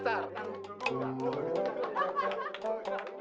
tunggu tunggu tunggu